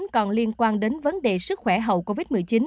còn liên quan đến vấn đề sức khỏe hậu covid một mươi chín